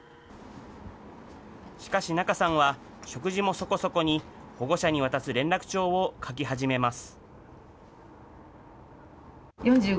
しかし、仲さんは食事もそこそこに、保護者に渡す連絡帳を書き始めます。